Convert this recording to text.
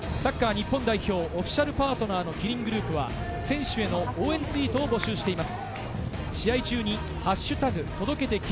そしてサッカー日本代表オフィシャルパートナーのキリングループは選手への応援ツイートを募集しています。